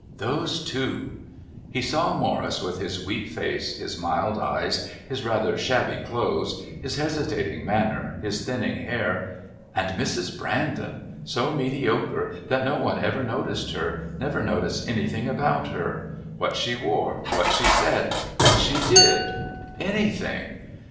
Those two! He saw Morris, with his weak face, his mild eyes, his rather shabby clothes, his hesitating manner, his thinning hair and Mrs. Brandon, so mediocre that no one ever noticed her, never noticed anything about her what she wore, what she said, what she did, anything!